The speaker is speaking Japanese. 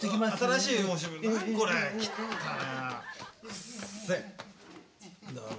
くっせえ。